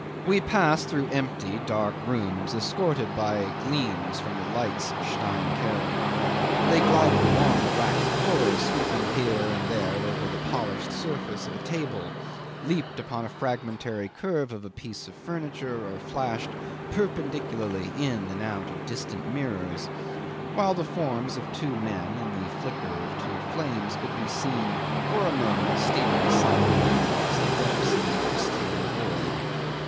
We passed through empty dark rooms, escorted by gleams from the lights Stein carried. They glided along the waxed floors, sweeping here and there over the polished surface of a table, leaped upon a fragmentary curve of a piece of furniture, or flashed perpendicularly in and out of distant mirrors, while the forms of two men and the flicker of two flames could be seen for a moment stealing silently across the depths of a crystalline void.